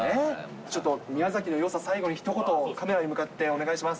ちょっと宮崎のよさ、最後にひと言、カメラに向かってお願いします。